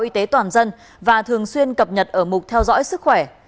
khai báo y tế toàn dân và thường xuyên cập nhật ở mục theo dõi sức khỏe